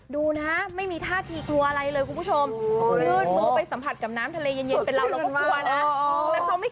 ดูนะไม่มีท่าทีกลัวอะไรเลยคุณผู้ชมโอ้โหยืดโมไปสัมผัสกับน้ำทะเลเย็นเป็นเรา